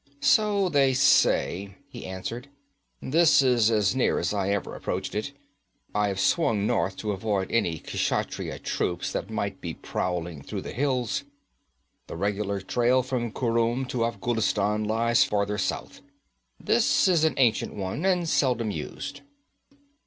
'So they say,' he answered. 'This is as near as I ever approached it. I have swung north to avoid any Kshatriya troops that might be prowling through the hills. The regular trail from Khurum to Afghulistan lies farther south. This is an ancient one, and seldom used.'